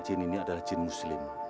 jin ini adalah jin muslim